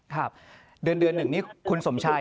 ครับเดือน๑นี้คุณสมชาย